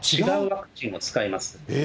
違うワクチンを使います。